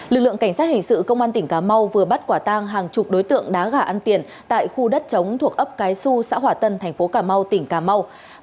lực lượng cảnh sát hình sự công an tỉnh cà mau vừa bắt quả tang hàng chục đối tượng đá gà ăn tiền tại khu đất chống thuộc ấp cái xu xã hỏa tân thành phố cà mau tỉnh cà mau